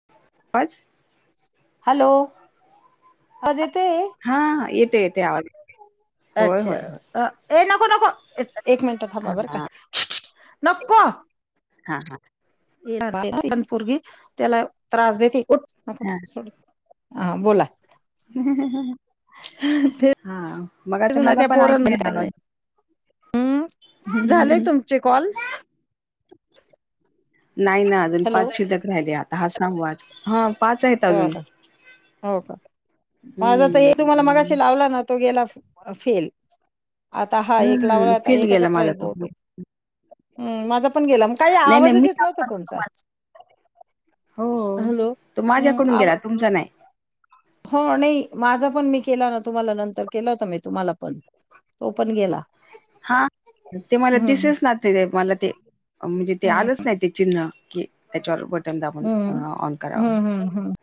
[unintelligible] Hello आवाज येतोय? हा हा येतोय अच्छा ए नको नको एक मिनिट हा थांबा बर हा का नक्को हां हा आता [unintelligible] नि पोरगी त्याला त्रास देते हा हा बोला! हा मगाशी मला त्या पण पोरान ऐकू येणा [unintelligible] हम्म झाले [unintelligible] तुमचे कॉल नाही ना अजून, हॅलो पाच शिल्लक राहिले आता हा सहावा च हं! हो का, हो का माझ त हम्म हे तुम्हाला मगाशी लावला ना, तो गेला फेल. आता हा एक हम्म लावला, आता फेल एक च गेला माझा राहील तो बहुतेक. हूं माझा पण गेला म काही नाही नाही आवाजच मी येत नव्हता टाकला तुमचा! हो हॅलो तो हम्म माझ्याकडून आवा गेला तुमच्यां नाही. हो नही माझा पण मी केला ना तुम्हाला नंतर केला होता मी तुम्हाला पण तो पण गेला. हां ते माला हम्म दिसेच ना ते, ते माला ते! म्हणजे ते हम्म आलंच नाही ते चिन्ह की. त्याच्यावर बटन दाबून अ हम्म ऑन कराव हम्म हम्म हम्म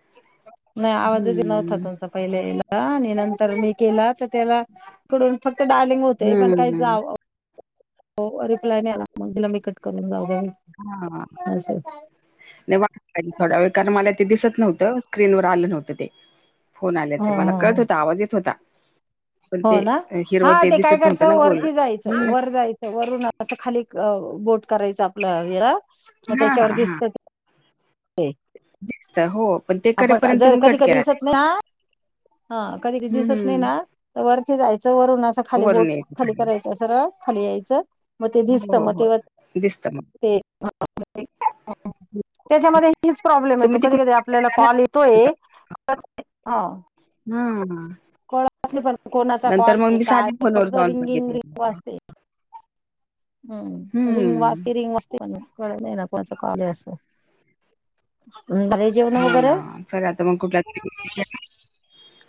हूं! पहिले येला आणि नंतर मी केला त त्याला इकडून फक्त डायलिंग होते पण काही च हम्म आव हो रिप्लाय नही आला, मंग दिला मी कट करून जाऊ दया होईल. हां! नही वाट पाहिली थोड्या वेळ कारण मला ते दिसत नव्हतं स्क्रीनवर आलं नव्हतं ते! फोन हो आल्याच मला हो कळत हो होत, आवाज येत होता. पण हो ते ना, हा हिरवं ते काय दिसत नव्हतं करायचं ना गोल वरती जायचं हम्म वर जाय वरून असं खाली क बोट करायच आपला वेळा मग हा त्याच्यावर हा हा दिसतं ते! तर हो पण ते आपण करेपर्यंत जर तुम्ही कधी कट कधी केला ते दिसत ना! हा कधी कधी हम्म दिसत नही ना, हम्म त वरती जायचं वरून असं खाली बोट वरून यायचं खाली करायचं अस. सरळ खाली यायचं म ते हो दिसत हो म हो तेव्हा दिसतं मग ते! [inaudible] त्याच्यामध्ये हीच प्रॉब्लेम येतो, तुम्ही कधी तिकडून कधी आपल्याला कॉल येतोय हं! हूं! कळत नाही पण कोणाचा कॉल हे काय हे, फोनवर फक्त जाऊन बघितलं रिंगिंग-रिंग वाजतेय. हूं रिंग हम्म वाजते, रिंग वा जते पन कळतं नाही ना कोणाचा कॉल असं, नं झाले जेवनं वगैरे? चाले आता मग कुठल्या [unintelligible]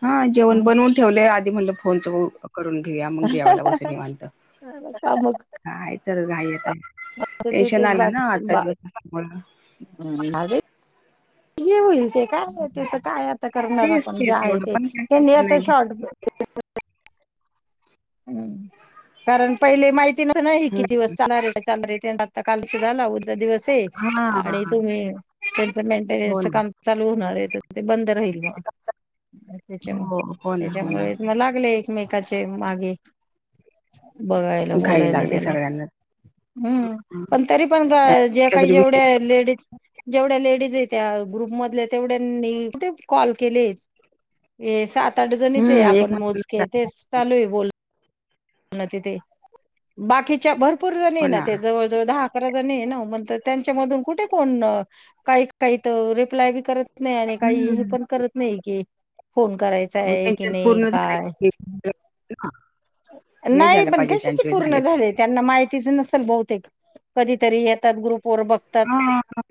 हा जेवण बनवून ठेवलेयं आधी म्हणलं फोनच बघू करून घेऊया मंग जेवायंला बसू निवांत. काम काय तर घाई आता, टेन्शन तेच आलं ना आजचा दिवस मला. हूं [unintelligible] जे होईल ते. काय आहे तिथं काय आता करणार तेच आपण जे तेच आहे एवढं ते, पण काय त्यांनी टेन्शन आता नाही घेत. शॉर्ट [unintelligible] हूं कारण पहिले माहिती नव्हतं ना, हे हं. किती दिवस चालणार हे. चालय ते आता नं कालचा झाला उद्याचा चा दिवस. ते आणि हां. तुम्ही त्यांच हो मेंटेनन्सच ना. काम चालू होणार आहे, तर ते बंद राहील. हो, हो ना, हो ना. त्याच्या-त्याच्यामुळे म लागले एकमेकाचे मागे. बघायला घाई बोलायला लागली त्याला. सगळ्यांनाच. हूं हं. पण तरी पण ग नाही जे काही काहीतरी विषय जेवढ्या लेडीज? जेवढ्या लेडीज आहेत त्या ग्रुपमधल्या तेवढ्यांनी कुठे कॉल केले ये सात आठ जणीच हे हं, आपण मोजके एकमेकांना तेच चालू आहे बोल न तिथे बाकीच्या भरपूर जनी ये ना ते जवळ दहा अकरा जनी हे ना, म त त्यांच्या मधून कुठे कोन काही काही त रिप्लाय बी करत नाही आणि काही हे हं. पण करत नाही की.. फोन करायच त्यांच्यात पूर्ण झाले ते नाही पण कशाचे पूर्ण तर. झालेत? त्यांना माहितीच नसेल बहुतेक, कधीतरी येतात ग्रुप वर बघ तात हां, हां,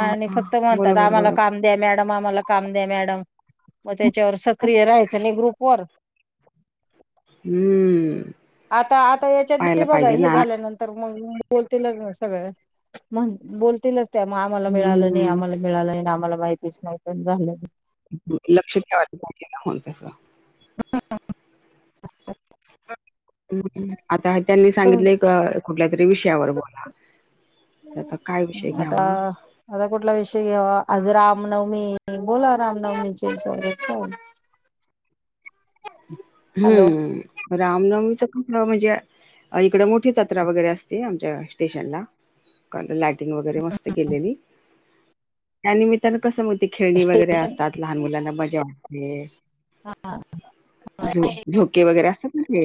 हां. हां. फक्त म्हणतात बरोबर, आम्हाला बरोबर. काम दया मॅडम आम्हाला काम दया मॅडम मग त्याच्यावर सक्रिय राहायचं नाही ग्रुप वर. हम्म........ आता आता याच्यात बी बघा हे झाल्यानंतर मग बोलतीलच सगळं म्हण बोलतीलच त्या मग आम्हाला हं, मिळालं नाही हं. आम्हाला. मिळालंय ना आम्हाला माहितीच नाही पण क झालंय लक्ष ठेवायंला पाहिजे ना तसं. आता त्यांनी तर सांगितले एक कुठल्या तरी विषयावर बोला त्याचा काय विषय आता. घ्यावा आता कुठला विषय घ्यावा. आज रामनवमी बोला रामनवमीचे ह्याच्यावर काय हम् [unintelligible] हम्म.. रामनवमीच कुठलं म्हणजे इकडं मोठी जत्रा वगैरे असते आमच्या स्टेशनला काल लाईंटिंग वगैरे मस्त केलेली त्या निमित्तानं कसं मग ते खेळणी वगैरे स्टेशन असतात. लहान मुलांना मजा वाटते. हा झो- झोके वगैरे असतात ना ते.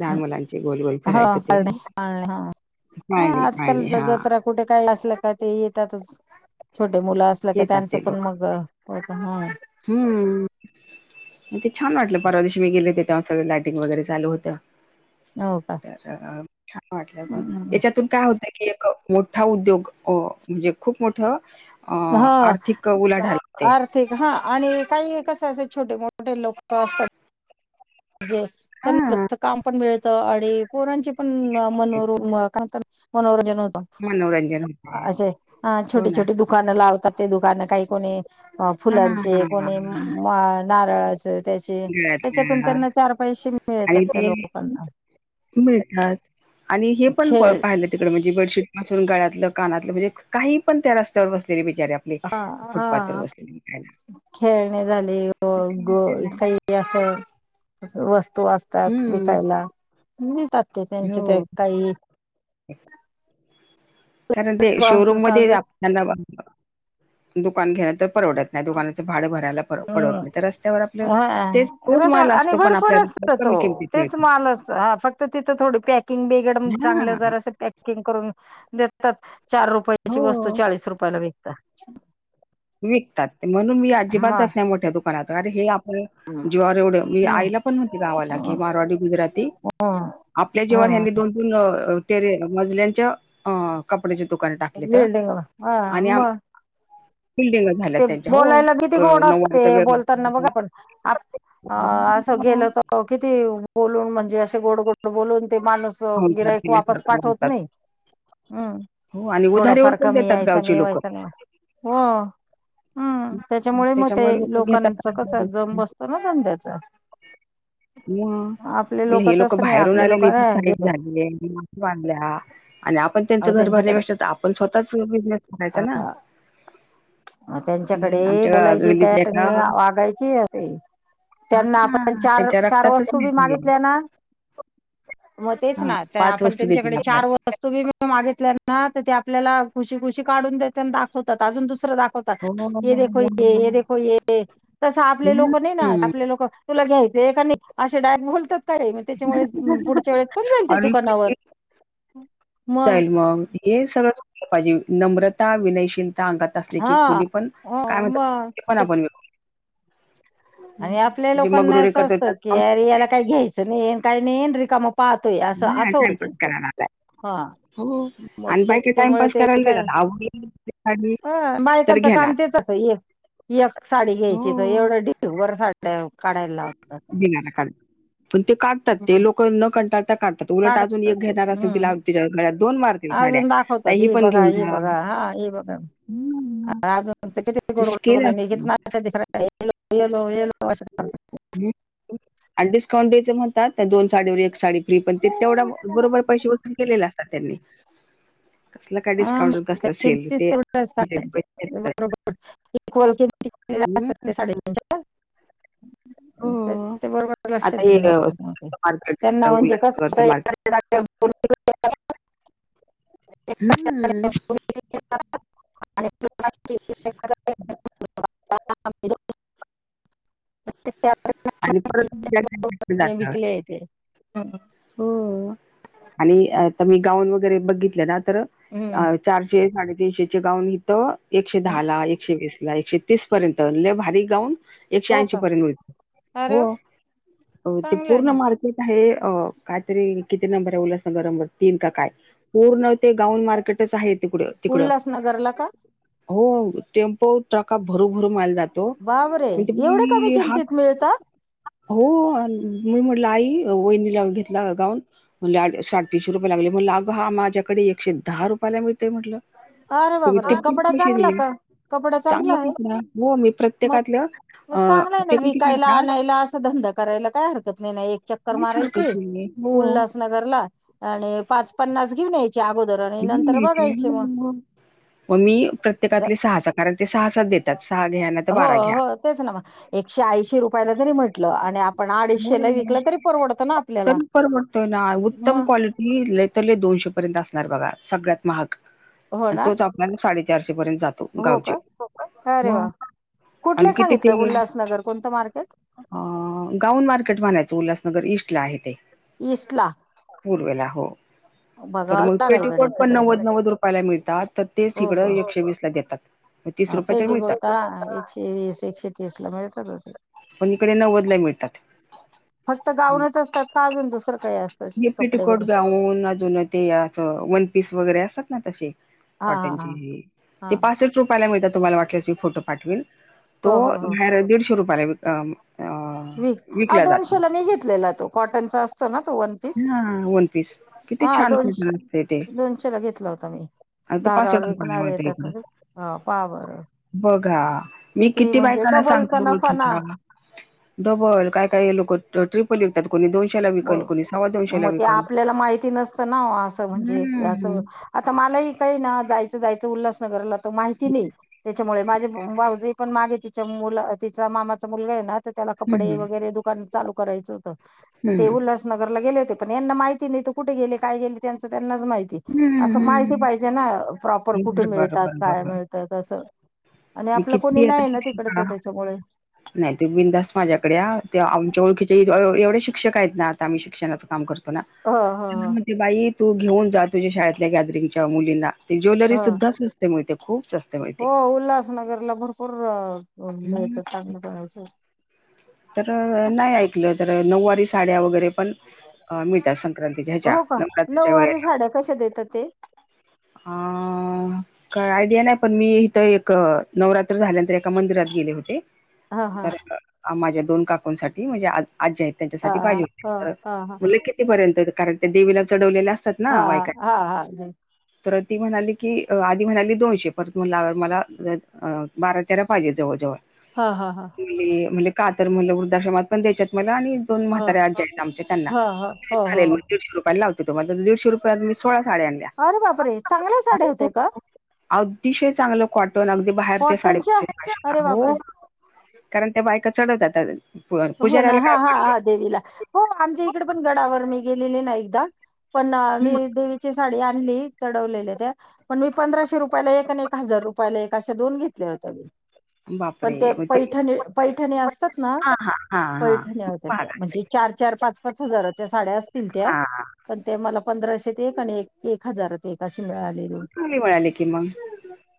लहान मुलांचे गोल- गोल हो फिरायचं ते पाळणे पाळणे हा ह पाळणे- आजकाल पाळणे हा जत्रा कुठे काही असलं का ते येतातच छोटे मुलं असलं का येतात त्यांचं ते पण लोक मग. [unintelligible] हम्म म ते छान वाटलं परवा दिवशी मी गेले होते तेव्हा सगळ लाईटिंग वगैरे चालू होतं. हो का तर वाटलं पण याच्यात तुन काय होतय की एक मोठा उद्योग अ म्हणजे खूप मोठं अ ह आर्थिक उलाढाल होते. हा आणि काही कसं असे छोटे मोठे लोक असतात. जे त्यांना हां, मस्तं काम पण मिळतं अणि पोरांचे पण मनोरुग्ण मनोरंजन होतं मनोरंजन होते. आ असे हा हो छोटी ना. छोटे दुख- दुकानं लावतात ते दुकान काही कोणी अ फुलांचे कोणी हां, नारळाचं त्याचे [unintelligible] त्यातून चार पैसे मिळतात आणि त्या ते लोकांना मिळतात हे आणि हे पण खेळ पाहितात तिकडं म्हणजे बेडशीट पासून गाळ्यातलं कानातलं म्हजे काही पण त्या रस्त्यावर बसलेले बिचारे आप- हा हा खेळणे झाले अ तर ते ग त्यांना काई- ते असं वस्तू असं तात हं, विकायला मीळतात ते त्यांचे ते हो काई कारण ते शोरूम मध्ये साध आपल्याला दुकान घ्यायला परवडते. नाय दुकानाचं भाडं भरायला पर पडवत नाई तर रस्त्यावर आपलं तेच हा तोच रस माल आणि असतो पण भरपूर आपल्या असत तो कमी किमतीत तेच मिळतो माल असत हा फक्त तिथं थोडी पॅकिंग बिगड चांगलं हा जरास किंग करून देतात चार रुपयाची वस्तू हो चाळीस रुपयाला विकता विकतात म्हणून मी अजिबात म जात नाय मोठ्या दुकानात अरे हे आपण जीवावर एवढं मी आईला पण म्हटली गावाला की मारवाडी गुजराती हा.. आपल्या जीवावर ह्यांनी दोन तीन टेरे मजल्यांच्या कपड्याची दुकान टाकलीत बिल्डिंग हा आणि आम मग बिल्डिंग झाल्यात ते त्यांच्या हो बोलायला किती क गोड असत ते नऊवारीचा बोलताना बघा वेगळा पण अ असं गेलं तर किती बोलून म्हणजे असे गोड गोड बोलून ते माणूस तो गिरायक वापस पाठवत नई हम्म हो आणि उधारीवर थोडंफार पण कमी देतात ऐसा गावची नई लोक वैताग नई हं त्याच्यामुळे म ते लोक घेतात लोकांच कस आंदोलन. जम बसतो ना धंद्याच म आपले म हे लोक तसं नाही बाहेरून आपले लोक आलेले इथ नाही स्थाईक घेतो झालेले [unintelligible] वाढल्या अणि आपण त्यांचं अहो घर त्यांच्याकडे भरण्यापेक्षा त आपण स्वतःच बिझनेस करायचा ना मग त्यांच्याकडे आमच्या बोलायची गल्लीतल्या टॅट आणि एका वागायची [unintelligible] त्यांना आपण हा चार त्याच्या चार रक्तातच वस्तू बी नाही मागितल्या ना म तेच हा ना त पाच आपण वस्तू त्यांच्याकडे देतील चार आपल्याला वस्तू वस्तू बी मी मागितल्या ना त ते आपल्याला खुशी खुशी काढून देता न दाखवतात अजून दुसरं दाख- तात, हे देखो ये हो देखो ये तसं आपले तस लोक नई ना हम्म आपले लोकं- तुला घ्यायचंए का नी असे डायरेक्ट बोलतात. कारे म त्याच्यामुळे अं पुढच्या वेळेस कोण जाईल च्या आणि दुकानावर किती मग जाईल म हे सगळं शीकलं पायजे नम्रता विनयशील- अंगात असले हा की कुणी पण हो काय मग म्हणता [unintelligible] आपण अणि आपल्या व्यवस्थित. जे लोकांना मगरुरी असं करतो असतं की अरे त्या याला काई घ्यायचं नई येन काई नई येन रिकामं- पाहतोय असं नाही असं होते टाइमपास करायला आलाय हो [unintelligible] मग आणि बायका त्याच्यामुळे टाइमपास ते करायला काय देतात आवडली काढली अ तर बायकांच काम घेणार तेच- ए एक साडी घ्यायची त हो. एवढं ढिगभर साड्या काढायला लावतात [unintelligible] पण ते काढतात ते हम्म. लोक न कंटाळ काढतात उलट अजून काढतच एक आहे. घेणार असेल हम्म. तिला- [unintelligible] दोन मार् अजून दाखवतात हे बघा हे बघा हा हे बघा. हम्म. अजून किती ते गोड स्किल बोलून असतं [inaudible] ये लो ये लो होश [inaudible] हम्.. आणि डिस्काउंट द्यायचं म्हणतात दोन साडीवर एक साडी फ्री पण ते तेवढ बरोबर पैसे केलेल असतात त्यांनी. [unintelligible] कसला काय ह डिस्काउंट कसला सेल किती ते त्याच्यात पैसे बरोबरि [inaudible] हम्म. ते साडे चार [unintelligible] हो. ते बरोबर लक्षात आता हे घेऊन अ, जातात मार्केट त्यांना म्हणजे कस उल्हासनगरचं हो. मार्केट [inaudible] हम्.. [inaudible] [inaudible] [inaudible] आणि परत जात विकले ते हो आणि आता मी गाऊन वगैरे बघितलं ना? तर हम्म. चारशे साडे तीनशेचे गाउन इथं एकशे दहाला एकशे वीसला एकशे तीस पर्यंत लय भारी गाऊन एकशे हो ऐंशी का पर्यंत मिळतो. अरे वा, हो ते चांगलं आहे पूर्ण ना माल हे अ कायतरी किती नंबर आहे उल संग नंबर तीन का काय? पूर्ण ते गाउन मार्केटच आहे तिकडं तिकडं. उल्हासनगरला का हो टेम्पो ट्रका भरू भरू माल जातो. बापरे मग ते एवढे कमी किमतीत [unintelligible] मिळतात हो अन् मी म्हटलं आई वहिनीला घेतला का गाऊन? म्हणली आल्या साडेतीनशे रुपये लागले म्हटली अगं हा माझ्याकडे एकशे दहा रुपयाला मिळतोय म्हटलं. अरे तुम्ही बापरे ते पण कपडा पैसे चांगला दिले का कपडा चांगला हाय? कपडा हो मी मग प्रत्येकातलं मग अ चांगल आहे ना ते किती विकायला करतात आणायला असा धंदा करायला काय हरकत नाही ना, एक चक्कर काहीच मारायची हरकत नाहीये हो उल्हासनगरला आणि पाच पन्नास घेऊन याय च्या अगोदर आणि घेऊन नंतर यायचे. बघायची मग. हो. मग मी प्रत्येकातले सहा सहा कारण ते सहा सहा देतात सहा घ्या नाही तर हो, बारा घ्या. हो. तेच ना मग. एकशे ऐंशी रुपयाला जरी म्हटलं आणि आपण हो, अडीचशेला विकलं तरी परवडतं ना आपल्याला. तर परवडतोय ना उत्तम मग क्वालिटी लय तर लय दोनशे पर्यंत असणार बघा सगळ्यात महाग. हो अन् ना? तोच आपल्याला साडेचारशे पर्यंत जातो हो गावचे. हो का? मग? कुठले आणि किती सांगितलं ते उल्हासनगर कोणतं मार्केट? अ गाऊन मार्केट म्हणायचं उल्हासनगर ईस्टला आहे ते. ईस्टला? पूर्वेला हो. तर बघावं मग लागेल गड्या पेटीकोट पण एखाद्या वेळेस जाऊन. नव्वद नव्वद रुपयाला मिळतात. तर तेच हिकडं एकशे वीसला देतात. मग तीस हा रुपये तर पेटीकोट मिळतात ना एकशे वीस एकशे तीसला मिळतात हो ते. पण इकडे नव्वदला मिळतात. फक्त गाऊनचं असतात का अजून दुसरं काही अस? [unintelligible] पेटिकोट गाऊन अजून ते असं वन पीस वगैरे असतात ना तसे. हां, हां, हां. कॉटनचे ते हां. पार्सल रुपयाला मिळतात तुम्हाला वाटलेस मी फोटो पाठवविल, तो हो, हो, हो. बाहेर दीडशे रुपयाला विक अ अहो विकला जातो दोनशेला मी घेतलेला तो कॉटनचा असतो ना, तो वन पीस हा वन पीस किती हा छान दोन कॉटन असते ते दोनशेला घेतला होता मी. आणि ते दारावर पासष्ट रुपयाला विकणारे मिळतं येतात ना इकडे ते हा पा बरं. बघा मी किती म्हणजे बायकांना डबलचा सांगतलं नफा ना ओळखीतल्या. डबल काय काय लोक ट्रिपल विकतात कोणी दोनशेला विकंल. मग ते आपल्याला माहिती नसतं ना असं म्हणजे हम्म. असं आता मलाही काही ना जायचं जायचं उल्हासनगरला तर माहिती नाही. त्याच्यामुळे माझे भावजय पण मागे तिच्या मुलं तिचा मामाचा मुलगा आहे ना, तर त्याला कपडे हम्म वगैरे दुकान चालू करायचं होतं, तर ते हम्म उल्हास नगरला गेले होते, पण यांना माहिती नाही कुठं गेले काय गेले त्यांंचं त्यांनाचं माहि ती. असं हम्म माहिती हम्म. पाहिजे ना प्रॉपर कुठं बरं बरं मिळतात बरं काय बरं मिळतात असं. आणि मी आपलं कोणी किती आता नाही ना शिक्षिका तिकडचं त्याच्यामुळे. नाही तूमी बिंदास माझ्याकडे या, ते आमच्या ओळखीचे एव एवढे शिक्षक आहेत ना आम्ही शिक्षणाचं काम करतो ना. ह ह हम्म. ते बाई तू घेऊन जा तुझ्या शाळेतल्या गॅदरिंगच्या मुलींना. ते ह ज्वेलरी ह सुद्धा स्वस्त मिळते खूप स्वस्त मिळते. नगरला भरपूर हम्म. [unintelligible] तर नाही ऐकलं तर नऊवारी साड्या वगैरे पण- अ मिळतात संक्रांती ह्याच्या हो का नवरात्रीच्या नऊवारी वेळेला. साड्या कशा देतात ते अ काय आयडिया नाही पण मी इथ एक नवरात्री झाल्यांनंतर एक मंदिरात गेले होते हा हा तर माझ्या दोन काकुसाठी म्हणजे आज्या हेत हा त्यांच्यासाठी पाहिजे होत हा तर हा हा उलेखित. ते पर्यंत कारण त्या देवीला चढवलेल्या असतात हा ना बायका हा हा हा तर ती म्हणाली, की आधी म्हणाली दोनशे परत म्हणल मला बारा तेरा पाहिजे जवळ जवळ. हा हा हा हे म्हणल का तर मलं वृद्धाश्रमात पण द्यायच्यात मला आणि दोन म्हातार्या आज्या हाइत आमच्या त्यांना. हा ह हो हो चालेल म दीडशे रुपयाला लावतो म दीडशे रुपयात मी सोळा साड्या आणल्या. अरे बापरे चांगल्या साड्या होत्या का अतिशय चांगलं कॉटन अगदी बाहेरच्या साड्या कॉटनच्या पेक्षाही अरे हो. बापरे कारण त्या बायका चढवत्यात. हो ना हा हा हा देवीला. हो आमच्या इकडे पण गडावर मी गेलेली ना एकदा पण मी हं देवी ची साडी आणली चढवलेल्या त्या, पण मी पंधराशे रुपयाला एक आणि एक हजार रुपयाला एक अशा दोन घेतल्या होत्या मी. पण ते बापरे! मग पैठणी पैठणी असतात ना हां हा पैठण्या होत्या त्या म्हणजे चार चार पाच पाच हजाराच्या साड्या असतील त्या. हां, पण ते मला पंधराशेेत एक आणि एक एक हजारात एक अशी मिळालेली. चांगली मिळाली की मग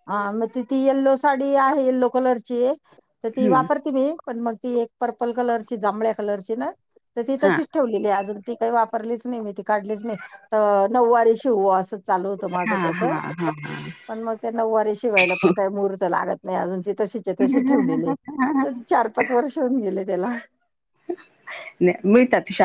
हा म ती ती यल्लो साडी आहे यल्लो कलरची तर ती हं. वापरते मी, पण मग ती एक पर्पल कलरची जांभळ्या कलरची ना तर ती हां, तशीच ठेवलेली अजून ती काय वापरलीच नाही मी ती काढलीच नाही त नऊवारी शिवू अस चालू होत माझ हां, त्याच हां, हां, हां. पण मग त्या नऊवारी शिवायला पण काय मुहूर्त लागत नाही अजून ती तशीच्या तशी ठेवलेली हाय चार पाच वर्ष होऊन गेले त्याला, नई मिळतात [unintelligible]